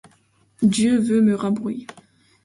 Dieu veult me rabbrouer.